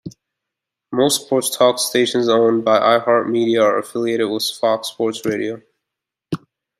Most sports talk stations owned by iHeartMedia are affiliated with Fox Sports Radio.